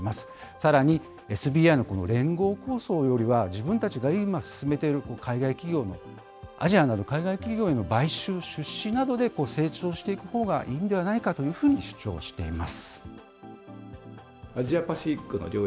さらに、ＳＢＩの連合構想よりは、自分たちが今進めている海外企業の、アジアなど海外企業への買収や出資などで、成長していくほうがいいんではないかというふうに主張しています。